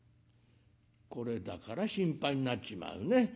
「これだから心配になっちまうね。